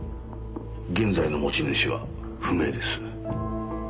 現在の持ち主は不明です。